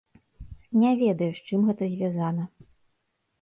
Не ведаю, з чым гэта звязана.